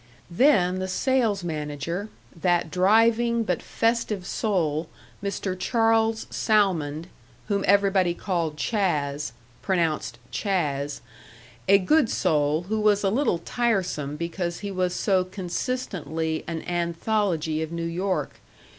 Then the sales manager, that driving but festive soul, Mr. Charles Salmond, whom everybody called "Chas." pronounced "Chaaz" a good soul who was a little tiresome because he was so consistently an anthology of New York.